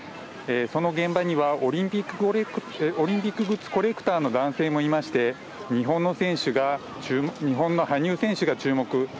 その現場にはオリンピックグッズコレクターの男性もいまして日本の羽生選手を注目。